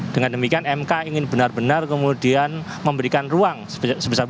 dengan demikian mk ingin benar benar kemudian memberikan ruang